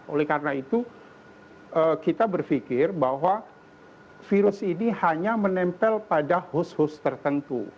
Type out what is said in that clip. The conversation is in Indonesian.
oleh karena itu kita berpikir bahwa virus ini hanya menempel pada host host tertentu